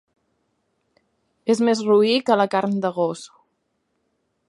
És més roí que la carn de gos.